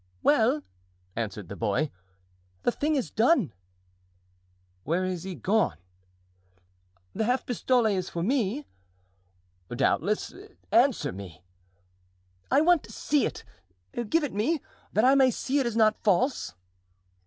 "Well!" answered the boy, "the thing is done." "Where is he gone?" "The half pistole is for me?" "Doubtless, answer me." "I want to see it. Give it me, that I may see it is not false."